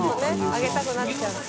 あげたくなっちゃうんだ。